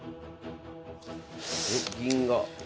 おっ銀が。